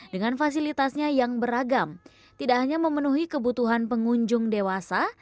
dengan fasilitasnya yang beragam tidak hanya memenuhi kebutuhan pengunjung dewasa